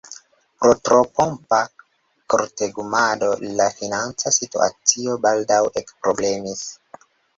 Pro tro pompa kortegumado la financa situacio baldaŭ ekproblemis.